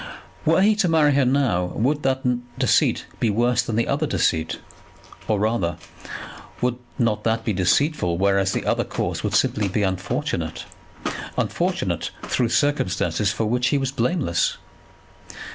Were he to marry her now, would not that deceit be worse than the other deceit? Or, rather, would not that be deceitful, whereas the other course would simply be unfortunate, unfortunate through circumstances for which he was blameless?